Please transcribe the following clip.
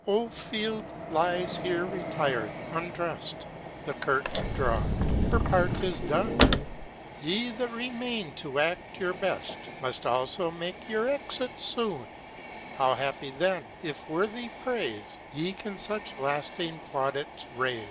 Another. OLDFIELD lies here retir’d, undrest, The curtain drawn, her part is done; Ye that remain to act your best, Must also make your exit soon; How happy then, if worthy praise, Ye can such lasting plaudits raise!